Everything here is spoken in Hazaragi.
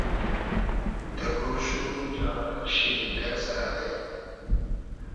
دۂ گۉش مۉ جارۂ شیرینگئسۂ الݷ